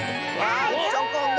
あっチョコンだ！